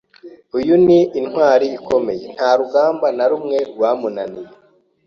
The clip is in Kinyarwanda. Uyu ni intwari ikomeye, nta rugamba na rumwe rwamunaniye.